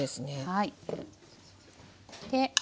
はい。